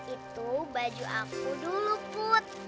itu baju aku dulu put